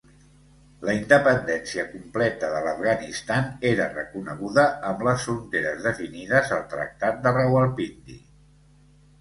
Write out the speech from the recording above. La independència completa de l'Afganistan era reconeguda, amb les fronteres definides al tractat de Rawalpindi.